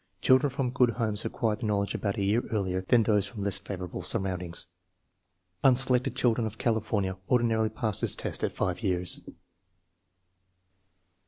Children from good homes acquire the knowledge about a year earlier than those from less favorable surroundings. Unselected children of California ordinarily pass the test at 5 years.